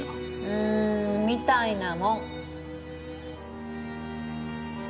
うんみたいなもん。